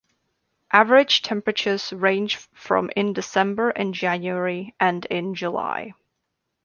Average temperatures range from in December and January and in July.